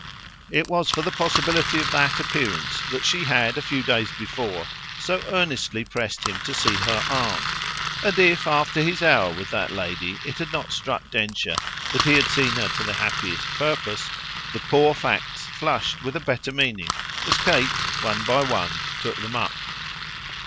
It was for the possibility of the appearance that she had a few days before so earnestly pressed him to see her aunt; and if after his hour with that lady it had not struck Densher that he had seen her to the happiest purpose the poor facts flushed with a better meaning as Kate, one by one, took them up.